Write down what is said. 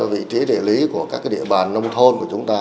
vị trí địa lý của các địa bàn nông thôn của chúng ta